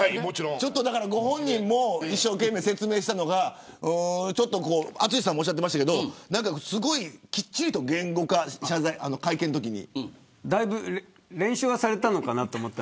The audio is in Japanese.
ご本人も一生懸命説明したのが淳さんがおっしゃってましたけどきっちりと言語化だいぶ練習したのかなと。